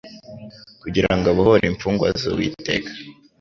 kugira ngo abohore imfugwa z'Uwiteka,